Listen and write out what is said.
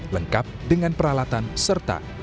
lengkap dengan peralatan serta